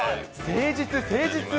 誠実、誠実。